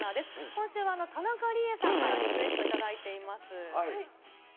今週は田中理恵さんからリクエスト頂いています。